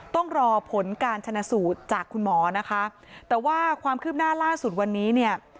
ต้องรอผลการชนะสูตรจากคุณหมอนะคะแต่ว่าความคืบหน้าล่าสุดวันนี้เนี่ย